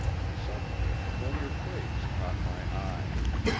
Suddenly a familiar phrase caught my eye.